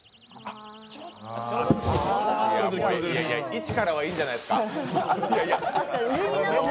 一からはいいんじゃないですか？